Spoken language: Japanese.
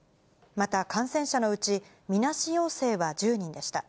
また感染者のうち、みなし陽性は１０人でした。